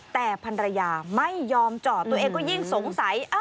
แต่พันรยาไม่ยอมจอดตัวเองก็ยิ่งสงสัย